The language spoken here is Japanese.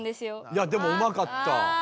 いやでもうまかった。